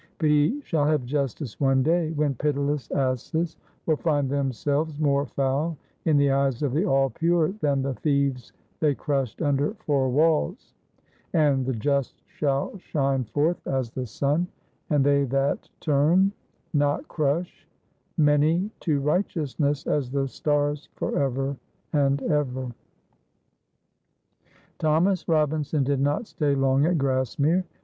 But he shall have justice one day, when pitiless asses will find themselves more foul in the eyes of the All pure than the thieves they crushed under four walls, and "The just shall shine forth as the sun, and they that turn* many to righteousness as the stars forever and ever." * Not crush. Thomas Robinson did not stay long at Grassmere.